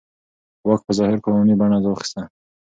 واک په ظاهره قانوني بڼه واخیسته.